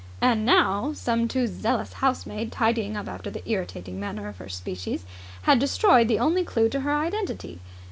And now some too zealous housemaid, tidying up after the irritating manner of her species, had destroyed the only clue to her identity.